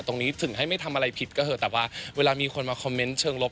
ถึงให้ไม่ทำอะไรผิดก็เถอะแต่ว่าเวลามีคนมาคอมเมนต์เชิงลบ